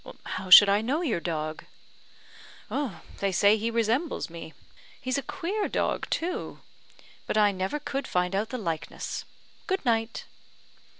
"How should I know your dog?" "They say he resembles me. He's a queer dog, too; but I never could find out the likeness. Good night!"